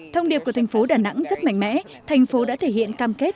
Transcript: thông điệp của thành phố đà nẵng rất mạnh mẽ thành phố đã thể hiện cam kết